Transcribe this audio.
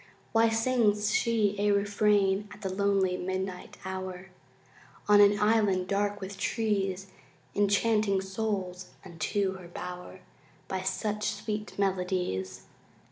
Why sings she a refrain At the lonely midnight hour On an island dark with trees, Enchanting souls unto her bower By such sweet melodies?